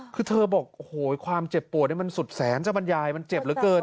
คือเธอบอกโอ้โหความเจ็บปวดนี่มันสุดแสนเจ้าบรรยายมันเจ็บเหลือเกิน